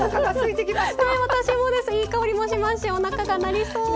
いい香りもしますしおなかが鳴りそう！